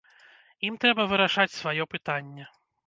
Ім трэба вырашаць сваё пытанне.